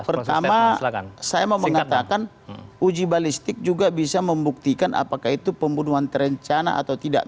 pertama saya mau mengatakan uji balistik juga bisa membuktikan apakah itu pembunuhan terencana atau tidak